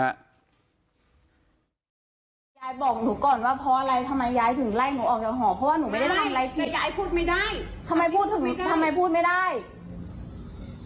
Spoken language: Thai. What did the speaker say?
ยายบอกหนูก่อนว่าเพราะอะไรทำไมยายถึงไล่หนูออกจากหอ